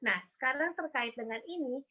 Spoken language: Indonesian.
nah sekarang terkait dengan ini